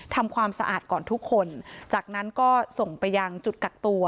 ทำความสะอาดก่อนทุกคนจากนั้นก็ส่งไปยังจุดกักตัว